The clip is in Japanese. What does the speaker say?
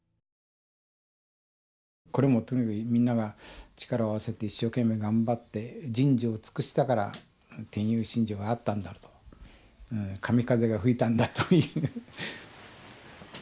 これもとにかくみんなが力を合わせて一生懸命頑張って人事を尽くしたから天佑神助があったんだろうと神風が吹いたんだという。